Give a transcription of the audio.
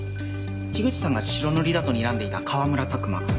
口さんが白塗りだとにらんでいた川村琢磨